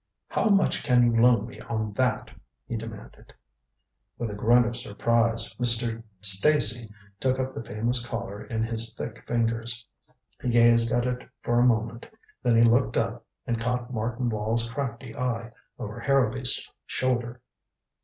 "How much can you loan me on that?" he demanded. With a grunt of surprise, Mr. Stacy took up the famous collar in his thick fingers. He gazed at it for a moment. Then he looked up, and caught Martin Wall's crafty eye over Harrowby's shoulder.